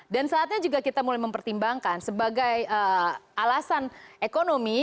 dan saatnya juga kita mulai mempertimbangkan sebagai alasan ekonomi